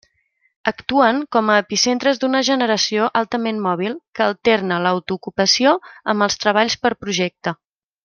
Actuen com a epicentres d'una generació altament mòbil que alterna l'autoocupació amb els treballs per projecte.